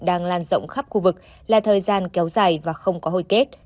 đang lan rộng khắp khu vực là thời gian kéo dài và không có hồi kết